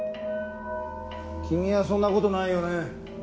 君はそんなことないよね？